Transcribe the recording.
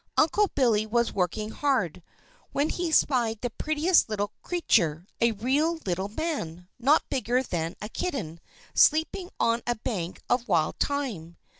Uncle Billy was working hard, when he spied the prettiest little creature, a real little man, not bigger than a kitten, sleeping on a bank of wild thyme.